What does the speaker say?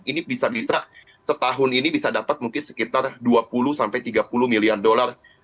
ini bisa bisa setahun ini bisa dapat mungkin sekitar dua puluh sampai tiga puluh miliar dolar